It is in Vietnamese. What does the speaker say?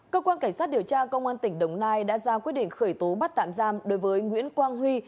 cơ quan cảnh sát điều tra công an tỉnh đồng nai đã ra quyết định khởi tố bắt tạm giam đối với nguyễn quang huy